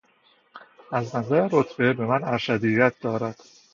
او از نظر رتبه بر من ارشدیت دارد.